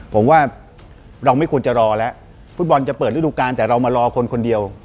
ผมว่าเราไม่ควรจะรอแล้วฟุตบอลจะเปิดฤดูการแต่เรามารอคนคนเดียว